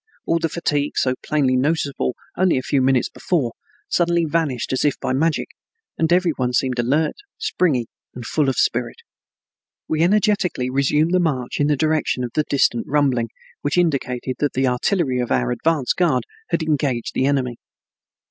All the fatigue so plainly noticeable only a few minutes before, suddenly vanished as if by magic, and every one seemed alert, springy, and full of spirit. We energetically resumed the march in the direction of the distant rumbling, which indicated that the artillery of our advance guard had engaged the enemy.